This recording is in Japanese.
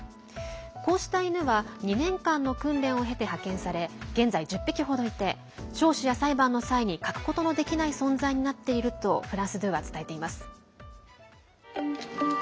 こうした犬は２年間の訓練を経て派遣され現在１０匹程いて聴取や裁判の際に欠くことのできない存在になっているとフランス２は伝えています。